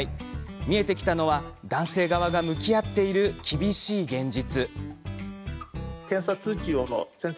見えてきたのは男性側が向き合っている厳しい現実。